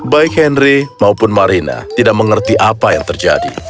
baik henry maupun marina tidak mengerti apa yang terjadi